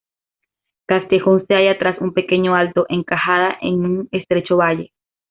Castejón se halla tras un pequeño alto, encajada en un estrecho valle.